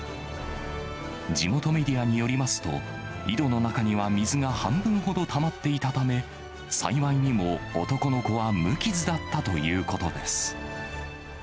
地元メディアによりますと、井戸の中には水が半分ほどたまっていたため、幸いにも男の子は無傷だったということです。